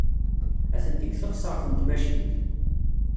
Atenti deg teɣsert n tmacint.